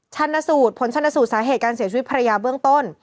ชันสูตรผลชนสูตรสาเหตุการเสียชีวิตภรรยาเบื้องต้น